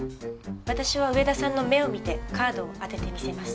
私は上田さんの目を見てカードを当ててみせます。